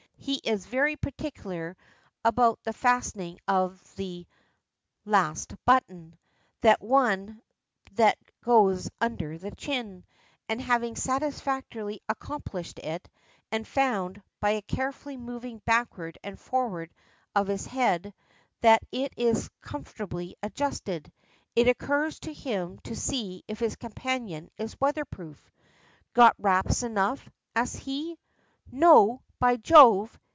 He is very particular about the fastening of the last button that one that goes under the chin and having satisfactorily accomplished it, and found, by a careful moving backward and forward of his head, that it is comfortably adjusted, it occurs to him to see if his companion is weather proof. "Got wraps enough?" asks he. "No, by Jove!